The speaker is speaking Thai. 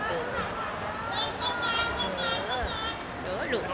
เอาเรื่องต่อไป